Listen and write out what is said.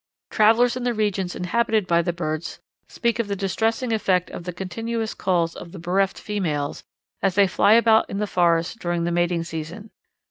Travellers in the regions inhabited by the birds speak of the distressing effect of the continuous calls of the bereft females as they fly about in the forests during the mating season.